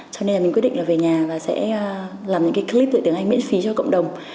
cho nên là mình quyết định là về nhà và sẽ làm những cái clip dạy tiếng anh miễn phí cho cộng đồng